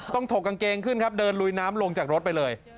ถกกางเกงขึ้นครับเดินลุยน้ำลงจากรถไปเลย